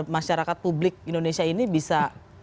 masyarakat publik indonesia ini bisa